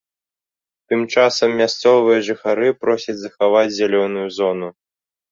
Тым часам мясцовыя жыхары просяць захаваць зялёную зону.